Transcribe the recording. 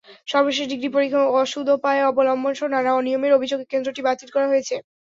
সর্বশেষ ডিগ্রি পরীক্ষায় অসদুপায় অবলম্বনসহ নানা অনিয়মের অভিযোগে কেন্দ্রটি বাতিল করা হয়েছিল।